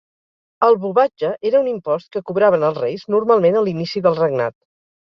El bovatge era un impost que cobraven els reis normalment a l'inici del regnat.